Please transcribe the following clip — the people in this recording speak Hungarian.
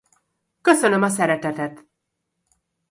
Köszönöm a szeretetet.